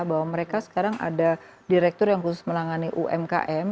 bahwa mereka sekarang ada direktur yang khusus menangani umkm